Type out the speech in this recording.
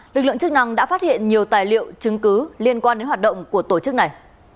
lực lượng chức năng đã phát hiện nhiều tài liệu chứng cứ liên quan đến hoạt động của tổ chức này